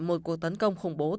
một cuộc tấn công khủng bố tự nhiên